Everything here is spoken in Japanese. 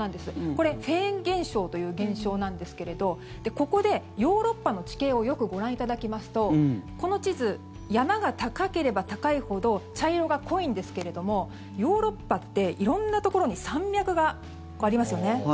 これ、フェーン現象という現象なんですけれどここでヨーロッパの地形をよくご覧いただきますとこの地図、山が高ければ高いほど茶色が濃いんですけれどもヨーロッパって色んなところに山脈がありますよね。